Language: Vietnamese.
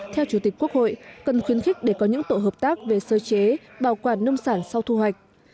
theo chủ tịch quốc hội cần khuyến khích để có những tổ hợp tác về sơ chế bảo quản nông sản sau thu hoạch